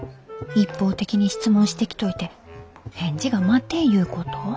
一方的に質問してきといて返事が待てんいうこと？